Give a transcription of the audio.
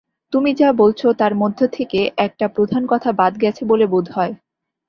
তুমি যা বলছ তার মধ্যে থেকে একটা প্রধান কথা বাদ গেছে বলে বোধ হয়।